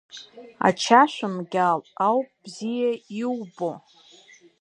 Ачашә мгьал ауп бзиа иубо…